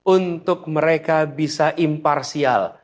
untuk mereka bisa imparsial